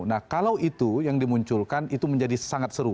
nah kalau itu yang dimunculkan itu menjadi sangat seru